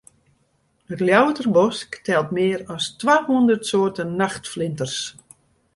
It Ljouwerter Bosk telt mear as twa hûndert soarten nachtflinters.